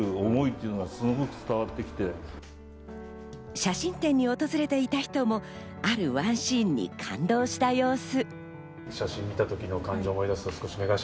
写真展に訪れていた人も、あるワンシーンに感動した様子。